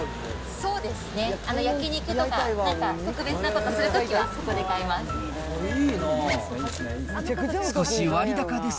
そうですね、焼き肉とか、なんか特別なことするときはここで買います。